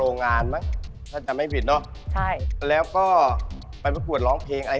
น่าจะตัดออกไปเลย